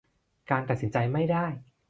การตัดสินใจไม่ได้